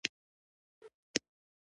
د بېلګې په توګه سیوډوموناس.